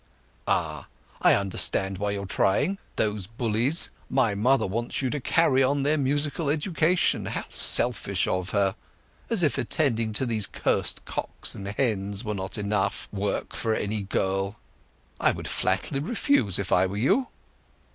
"Ah! I understand why you are trying—those bullies! My mother wants you to carry on their musical education. How selfish of her! As if attending to these curst cocks and hens here were not enough work for any girl. I would flatly refuse, if I were you."